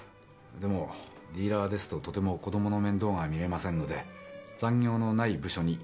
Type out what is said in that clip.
でもディーラーですととても子供の面倒が見れませんので残業のない部署に異動願を出しました。